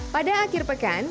pada akhir pekan